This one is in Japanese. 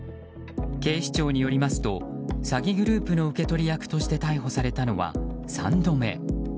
警視庁によりますと詐欺グループの受け取り役として逮捕されたのは３度目。